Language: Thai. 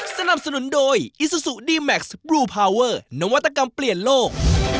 สนับสนุนโดยอิซูซูดีแม็กซ์บลูพาวเวอร์นวัตกรรมเปลี่ยนโลก